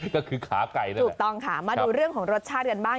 ก็คือขาไก่นั่นแหละถูกต้องค่ะมาดูเรื่องของรสชาติกันบ้าง